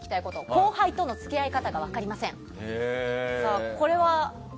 後輩との付き合い方が分かりません。